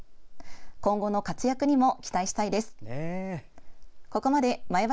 今後の活躍にも期待したいです。